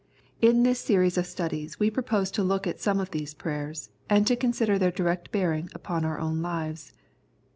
In this series of studies we propose to look at some of these prayers, and to consider their direct bearing upon our own lives.